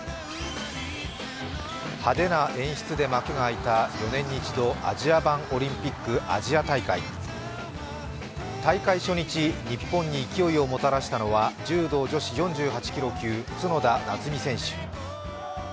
派手な演出で幕が開いた４年に一度、アジア版オリンピック、アジア大会。大会初日、日本に勢いをもたらしたのは柔道女子４８キロ級、角田夏実選手。